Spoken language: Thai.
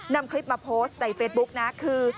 นำคลิปมาโพสต์ในเฟซบุ๊กนะคือ